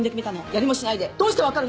やりもしないでどうして分かるの！？